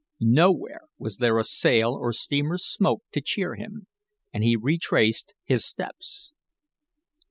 Nowhere was there a sail or steamer's smoke to cheer him, and he retraced his steps.